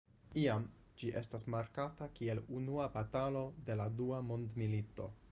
Iam ĝi estas markata kiel la unua batalo de la dua mondmilito.